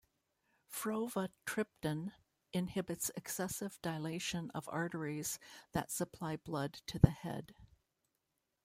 Frovatriptan inhibits excessive dilation of arteries that supply blood to the head.